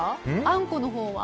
あんこのほうは？